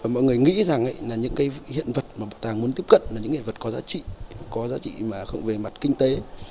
mọi người nghĩ rằng những hiện vật mà bảo tàng muốn tiếp cận là những hiện vật có giá trị có giá trị mà không về mặt kinh tế